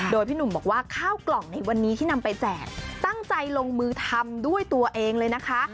โดยพี่หนุ่มบอกว่าข้าวกล่องในวันนี้ที่นำไปแจกตั้งใจลงมือทำด้วยตัวเองเลยนะคะ